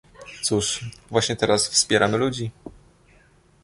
Cóż, właśnie teraz wspieramy ludzi